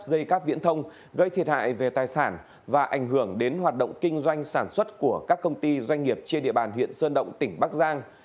dây cáp viễn thông gây thiệt hại về tài sản và ảnh hưởng đến hoạt động kinh doanh sản xuất của các công ty doanh nghiệp trên địa bàn huyện sơn động tỉnh bắc giang